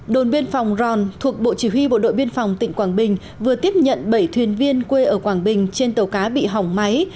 đồn biên phòng ròn thuộc bộ chỉ huy bộ đội biên phòng tỉnh quảng bình vừa tiếp nhận bảy thuyền viên quê ở quảng bình trên tàu cá bị hỏng máy